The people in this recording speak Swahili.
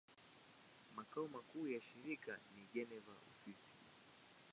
Makao makuu ya shirika ni Geneva, Uswisi.